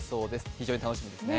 非常に楽しみですね。